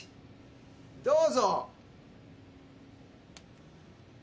どうぞ。